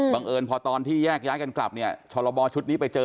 เอิญพอตอนที่แยกย้ายกันกลับเนี่ยชรบชุดนี้ไปเจอ